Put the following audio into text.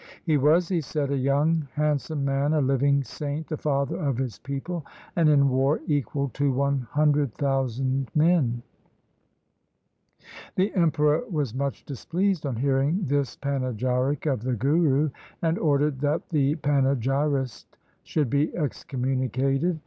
He was, he said, a young handsome man, a living saint, the father of his people, and in war equal to one hundred thousand men. LIFE OF GURU GOBIND SINGH 165 The Emperor was much displeased on hearing this panegyric of the Guru, and ordered that the panegyrist should be excommunicated.